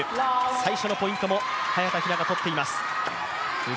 最初のポイントも早田ひながとっています。